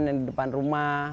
di depan rumah